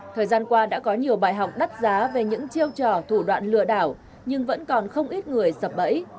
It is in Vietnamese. thời gian qua đã có nhiều bài học đắt giá về những chiêu trò thủ đoạn lừa đảo nhưng vẫn còn không ít người sập bẫy